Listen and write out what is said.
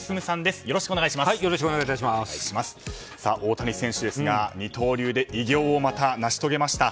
大谷選手、二刀流で偉業をまた成し遂げました。